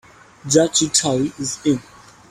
Judge Tully is in.